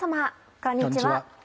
こんにちは。